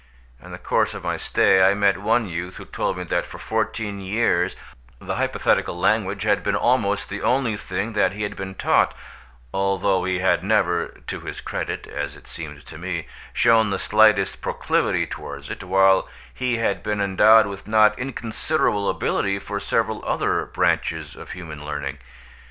In the course of my stay I met one youth who told me that for fourteen years the hypothetical language had been almost the only thing that he had been taught, although he had never (to his credit, as it seemed to me) shown the slightest proclivity towards it, while he had been endowed with not inconsiderable ability for several other branches of human learning.